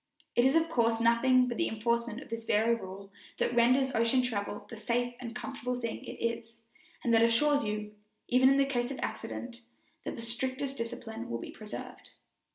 It is of course nothing but the enforcement of this very rule that renders ocean travel the safe and comfortable thing it is, and that assures you, even in case of accident, that the strictest discipline will be preserved.